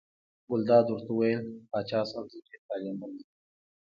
ګلداد ورته وویل: پاچا صاحب ډېر طالع من یې.